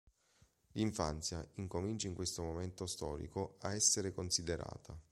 L'infanzia incomincia in questo momento storico a essere considerata.